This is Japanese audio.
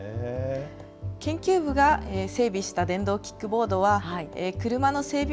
研究部が整備した電動キックボードは、車の整備